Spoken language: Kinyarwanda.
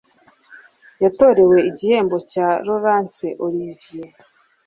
Yatorewe igihembo cya Laurence Olivier